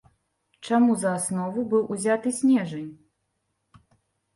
Чаму за аснову быў узяты снежань?